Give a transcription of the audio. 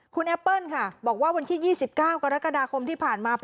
คุณแอปเปิ้ลค่ะบอกว่าวันที่๒๙กรกฎาคมที่ผ่านมา